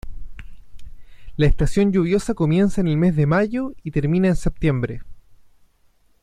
La estación lluviosa comienza en el mes de mayo y termina en septiembre.